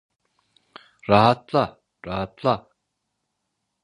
Rahatla, rahatla.